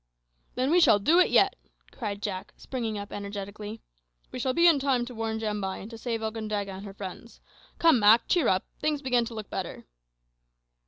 "Then we shall do it yet!" cried Jack, springing up energetically. "We shall be in time to warn Jambai and to save Okandaga and her friends. Come, Mak, cheer up; things begin to look better."